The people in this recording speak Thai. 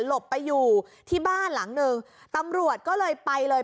ไปอยู่ที่บ้านหลังหนึ่งตำรวจก็เลยไปเลย